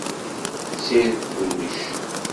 Sired kullec.